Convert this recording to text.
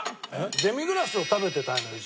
デミグラスを食べてたいのよ